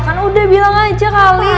kan udah bilang aja kali